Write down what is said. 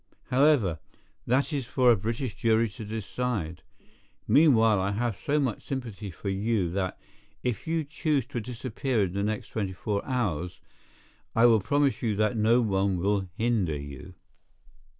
However, that is for a British jury to decide. Meanwhile I have so much sympathy for you that, if you choose to disappear in the next twenty four hours, I will promise you that no one will hinder you."